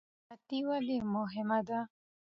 خطاطي ولې مهمه ده؟